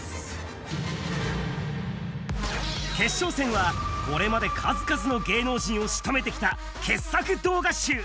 決勝戦は、これまで数々の芸能人をしとめてきた傑作動画集。